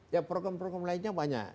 ya program program lainnya banyak